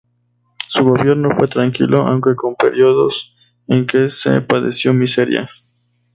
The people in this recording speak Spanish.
Su gobierno fue tranquilo aunque con períodos en que se padeció miserias.